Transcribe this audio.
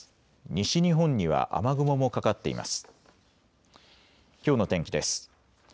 西日本には雨雲もかかっています。